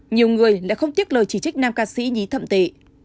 nhiều người đã không tiếc lời chỉ trích nam ca sĩ nhí thậm tệ